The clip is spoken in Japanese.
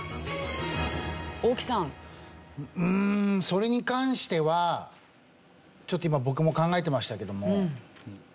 それに関してはちょっと今僕も考えていましたけども。